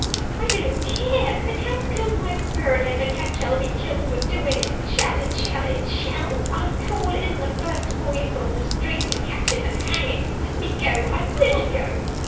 "I don't care! The cat has killed my bird, and the cat shall be killed for doing it! it shall! it shall!! it shall!!! I'll call in the first boy from the street to catch it, and hang it! Let me go! I will go!"